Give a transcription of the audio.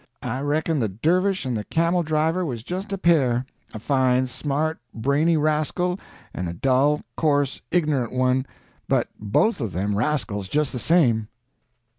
I reckon the dervish and the camel driver was just a pair—a fine, smart, brainy rascal, and a dull, coarse, ignorant one, but both of them rascals, just the same."